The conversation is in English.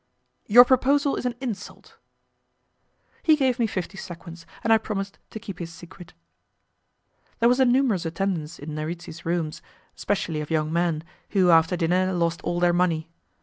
"Your proposal is an insult." He gave me fifty sequins, and I promised to keep his secret. There was a numerous attendance in Narici's rooms, especially of young men, who after dinner lost all their money.